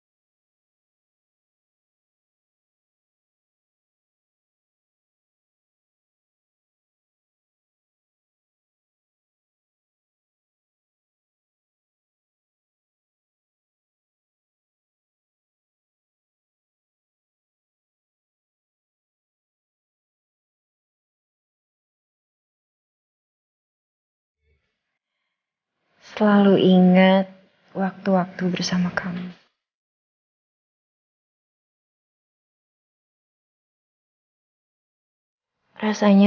rasanya saat memutuskan putus dulu